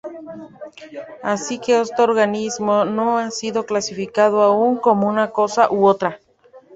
Así que este organismo no ha sido clasificado aún como una cosa u otra.